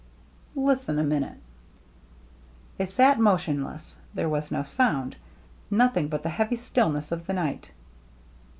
" Listen a minute !" They sat motionless. There was no sound ; nothing but the heavy stillness of the night.